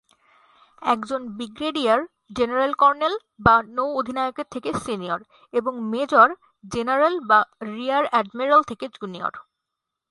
একজন brigadier general colonel বা নৌ অধিনায়কের থেকে সিনিয়র এবং মেজর-জেনারেল বা রিয়ার অ্যাডমিরাল থেকে জুনিয়র।